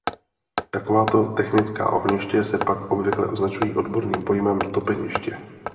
Takováto technická ohniště se pak obvykle označují odborným pojmem topeniště.